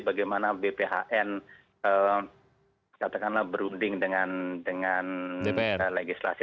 bagaimana bphn katakanlah berunding dengan legislasi